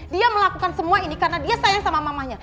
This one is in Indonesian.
dia melakukan semua ini karena dia sayang sama mamanya